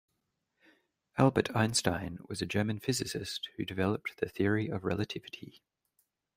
Albert Einstein was a German physicist who developed the Theory of Relativity.